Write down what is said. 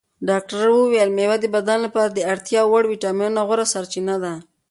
ډاکتر وویل مېوه د بدن لپاره د اړتیا وړ ویټامینونو غوره سرچینه ده.